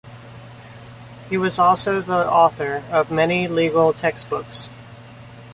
He was also the author of many legal textbooks.